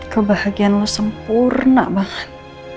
kebahagiaan lo sempurna banget